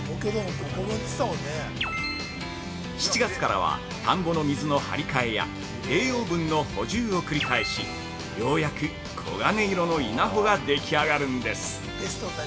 ７月からは、田んぼの水の張り替えや栄養分の補充を繰り返しようやく黄金色の稲穂ができ上がるんです。